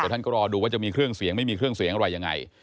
ท่านก็รอดูว่าจะมีเครื่องเสียงไม่มีเครื่องเสียงอะไรยังไง